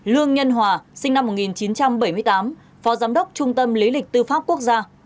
lương nhân hòa sinh năm một nghìn chín trăm bảy mươi tám phó giám đốc trung tâm lý lịch tư pháp quốc gia